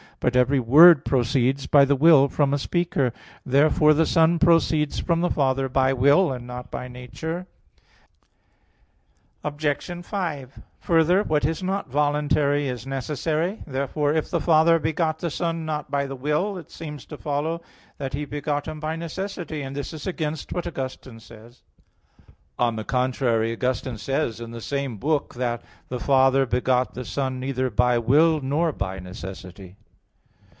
But every word proceeds by the will from a speaker. Therefore the Son proceeds from the Father by will, and not by nature. Obj. 5: Further, what is not voluntary is necessary. Therefore if the Father begot the Son, not by the will, it seems to follow that He begot Him by necessity; and this is against what Augustine says (Ad Orosium qu. vii). On the contrary, Augustine says, in the same book, that, "the Father begot the Son neither by will, nor by necessity."